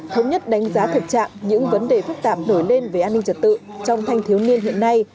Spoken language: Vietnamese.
thống nhất đánh giá thực trạng những vấn đề phức tạp nổi lên về an ninh trật tự trong thanh thiếu niên hiện nay